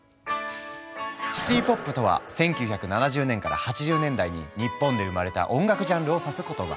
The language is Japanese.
シティ・ポップとは１９７０年から８０年代に日本で生まれた音楽ジャンルを指す言葉。